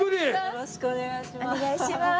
よろしくお願いします。